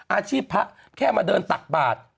อาชีพพระแค่มาเดินตักบาท